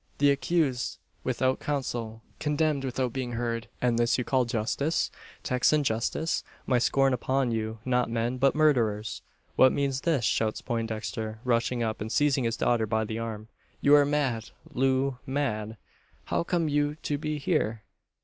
The accused without counsel condemned without being heard! And this you call justice? Texan justice? My scorn upon you not men, but murderers!" "What means this?" shouts Poindexter, rushing up, and seizing his daughter by the arm. "You are mad Loo mad! How come you to be here?